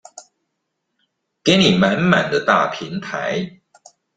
給你滿滿的大平台